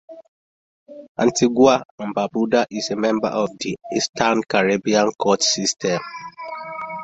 Antigua and Barbuda is a member of the eastern Caribbean court system.